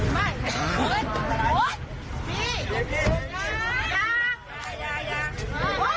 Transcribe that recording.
ไม่กล้าเอาเค้าออกไป